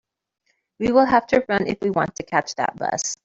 We will have to run if we want to catch that bus.